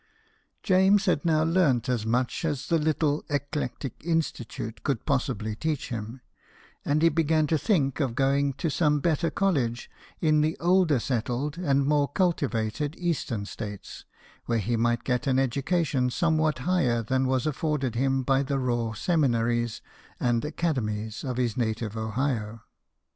James had now learnt as much as the little " Eclectic Institute " could possibly teach him, and he began to think of going to some better college in the older settled and more cultivated eastern states, where he might get an education somewhat higher than was afforded him by the raw "seminaries" and "academies" of his native Ohio.